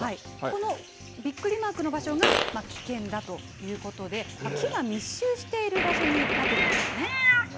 このビックリマークの場所が危険だということで木が密集している場所になっていますよね。